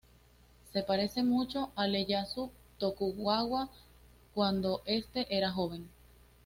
Se parece mucho a Ieyasu Tokugawa cuando este era joven.